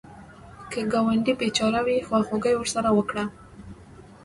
که ګاونډی بېچاره وي، خواخوږي ورسره وکړه